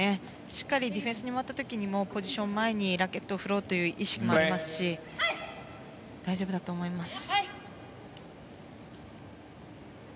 しっかりディフェンスに回った時にもポジションを前にラケットを振ろうという意識もありますし大丈夫だと思います。